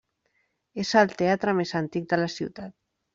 És el teatre més antic de la ciutat.